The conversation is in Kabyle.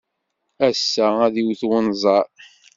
Ass-a, ad iwet unẓar.